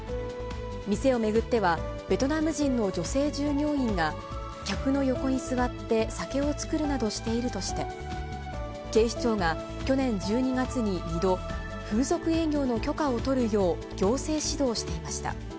店を巡っては、ベトナム人の女性従業員が客の横に座って、酒を作るなどしているとして、警視庁が去年１２月に２度、風俗営業の許可を取るよう、行政指導していました。